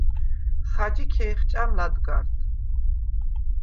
ხაჯი ქე̄ხჭამ ლადგარდ.